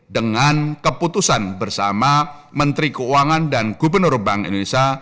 dengan keputusan bersama menteri keuangan dan gubernur bank indonesia